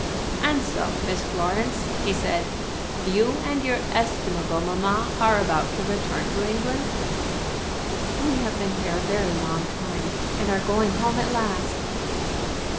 "And so, Miss Florence," he said, "you and your estimable mamma are about to return to England?" "We have been here a very long time, and are going home at last."